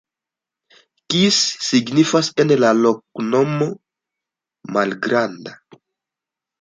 Kis signifas en la loknomo: malgranda.